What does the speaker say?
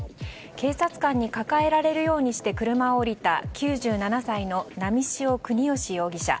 警察官に抱えられるようにして車を降りた９７歳の波汐國芳容疑者。